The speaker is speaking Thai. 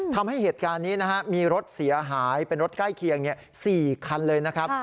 ทำให้เหตุการณ์นี้มีรถเสียหายเป็นรถใกล้เคียง๔คันเลยนะครับ